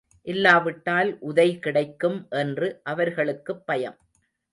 இல்லாவிட்டால் உதை கிடைக்கும் என்று அவர்களுக்குப் பயம்.